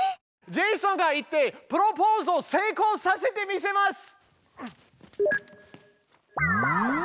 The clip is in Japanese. ジェイソンが行ってプロポーズを成功させてみせます！